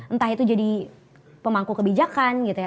entah itu jadi pemangku kebijakan gitu ya